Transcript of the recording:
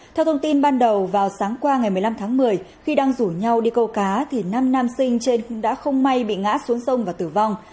theo thông tin ban đầu vào sáng qua ngày một mươi năm tháng một mươi khi đang rủ nhau đi câu cá năm nam sinh trên cũng đã không may bị ngã xuống sông và tử vong